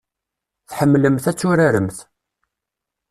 Tḥemmlemt ad turaremt.